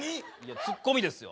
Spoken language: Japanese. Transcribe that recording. ツッコミですよ。